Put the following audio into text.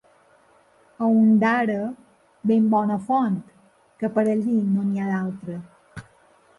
A Ondara, ben bona font, que per allí no n’hi ha altra.